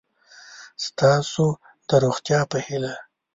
ستاسو د روغتیا په هیله